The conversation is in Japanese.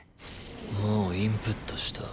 もうインプットした。